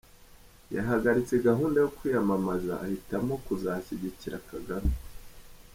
Yahagaritse gahunda yo kwiyamamaza ahitamo kuzashyigikira Kagame